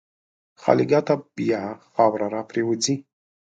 خالیګاه ته بیا خاوره راپرېوځي.